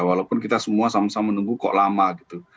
walaupun kita semua sama sama menunggu kok lama gitu